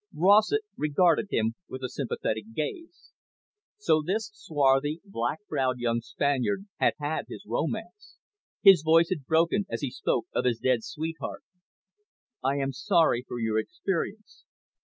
Rossett regarded him with a sympathetic gaze. So this swarthy, black browed young Spaniard had had his romance. His voice had broken as he spoke of his dead sweetheart. "I am sorry for your experience.